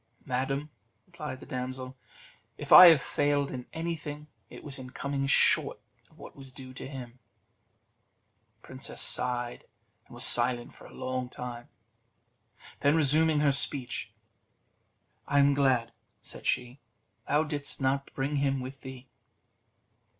"Madam," replied the damsel, "if I have failed in anything, it was in coming short of what was due to him." The princess sighed, and was silent for a time; then resuming her speech: "I am glad," said she, "thou didst not bring him with thee."